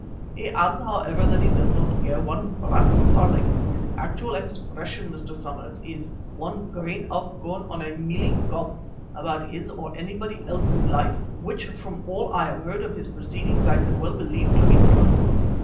He adds, however, that he does not care one brass farthing his actual expression, Mr. Somers, is 'one grain of corn on a mealie cob' about his or anybody else's life, which from all I have heard of his proceedings I can well believe to be true.